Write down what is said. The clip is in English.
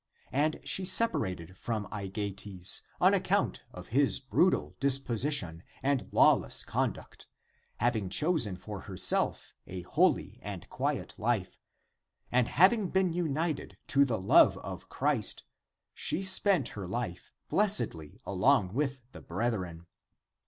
And she separated from Aegeates on account of his brutal disposition and lawless conduct, having chosen for herself a holy and quiet life, and having been united to the love of Christ, she spent her life blessedly along with the brethren.